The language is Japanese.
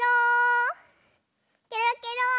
ケロケロー！